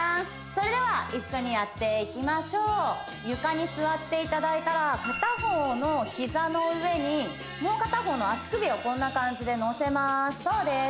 それでは一緒にやっていきましょう床に座っていただいたら片方の膝の上にもう片方の足首をこんな感じで乗せますそうです